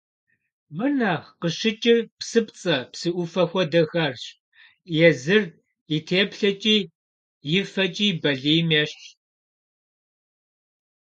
Мыр нэхъ къыщыкӏыр псыпцӏэ, псы ӏуфэ хуэдэхэрщ, езыр и теплъэкӏи и фэкӏи балийм ещхьщ.